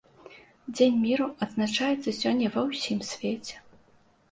Дзень міру адзначаецца сёння ва ўсім свеце.